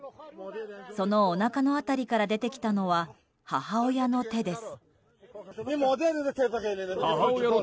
そのおなかの辺りから出てきたのは、母親の手です。